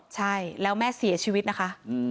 ใช่แล้วแม่เสียชีวิตนะคะ